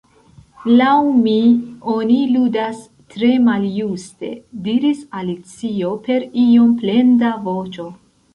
"Laŭ mi, oni ludas tre maljuste," diris Alicio per iom plenda voĉo.